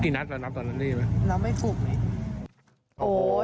กี่นัดเรารองรับตอนนั้นได้ไหมเรารองรับไม่ถูกเลย